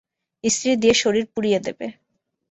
ইস্ত্রি দিয়ে শরীর পুড়িয়ে দেবে।